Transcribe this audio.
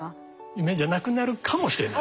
夢じゃなくなるかもしれない。